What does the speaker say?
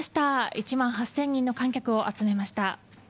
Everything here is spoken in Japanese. １万８０００人の観客を集めました。